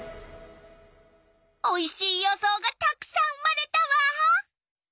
おいしい予想がたくさん生まれたわ！